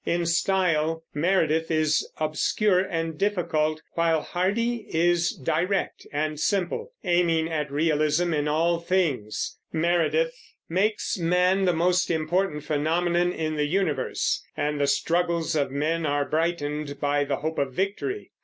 In style, Meredith is obscure and difficult, while Hardy is direct and simple, aiming at realism in all things. Meredith makes man the most important phenomenon in the universe; and the struggles of men are brightened by the hope of victory.